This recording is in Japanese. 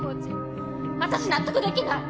私納得できない！